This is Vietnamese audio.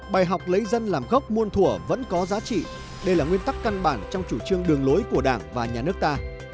bài học lấy dân làm gốc muôn thủa vẫn có giá trị đây là nguyên tắc căn bản trong chủ trương đường lối của đảng và nhà nước ta